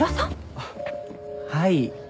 あっはい。